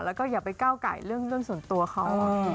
แล้วก็อย่าไปก้าวไก่เรื่องส่วนตัวเขา